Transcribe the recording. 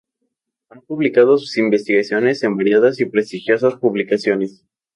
Ha publicado sus investigaciones en variadas y prestigiosas publicaciones.